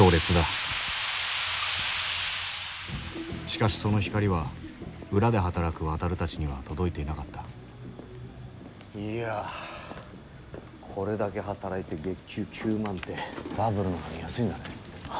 しかしその光は裏で働くワタルたちには届いていなかったいやこれだけ働いて月給９万ってバブルなのに安いんだね。